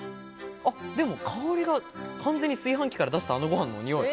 香りが完全に炊飯器から出した、あのご飯のにおい。